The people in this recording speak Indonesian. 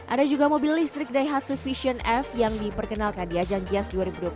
ada juga mobil listrik daihatsu vision f yang diperkenalkan di ajang gias dua ribu dua puluh tiga